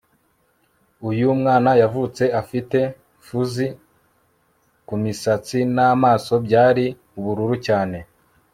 uyu mwana yavutse, afite fuzz kumisatsi namaso byari ubururu cyane